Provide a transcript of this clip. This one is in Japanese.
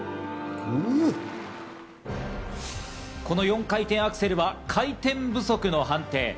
この４回転アクセルは回転不足の判定。